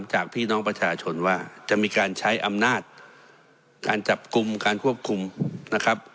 จากพี่น้องประชาชนว่าจะมีการใช้อำนาจการจับกลุ่มการควบคุมนะครับ